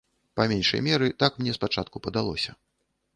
Па меншай меры, так мне спачатку падалося.